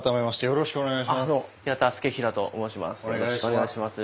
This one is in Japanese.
よろしくお願いします。